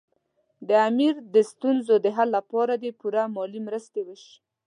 د امیر د ستونزو د حل لپاره دې پوره مالي مرستې وشي.